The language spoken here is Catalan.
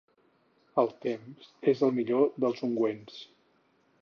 El temps és el millor dels ungüents.